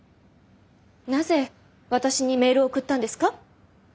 なぜ私にメールを送ったんですか？